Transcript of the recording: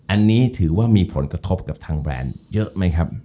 อันนี้ถือว่ามีผลกระทบกับทางแบรนด์เยอะไหมครับ